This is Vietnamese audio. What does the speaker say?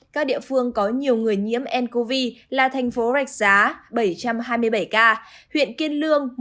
các địa phương có nhiều người nhiễm ncov là thành phố rạch giá bảy trăm hai mươi bảy ca huyện kiên lương